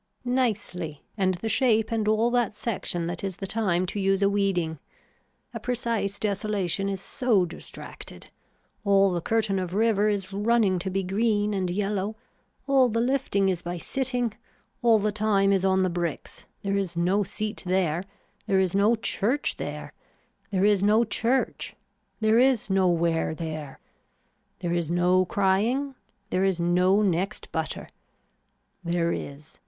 Nicely and the shape and all that section that is the time to use a weeding. A precise desolation is so distracted. All the curtain of river is running to be green and yellow, all the lifting is by sitting, all the time is on the bricks, there is no seat there, there is no church there, there is no church, there is nowhere there. There is no crying. There is no next butter. There is.